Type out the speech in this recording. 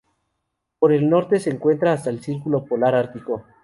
Por el norte, se encuentra hasta el círculo polar ártico.